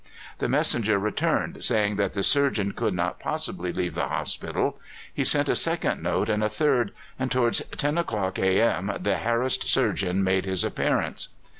The messenger returned, saying that the surgeon could not possibly leave the hospital. He sent a second note, and a third, and towards ten o'clock a.m. the harrassed surgeon made his appearance.